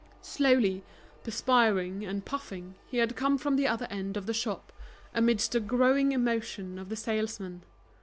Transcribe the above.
Slowly, perspiring and puffing, he had come from the other end of the shop, amidst the growing emotion of the salesmen.